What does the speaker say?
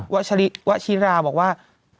โตเชียวคุณวัชิราบอกว่า